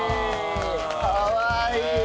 かわいい。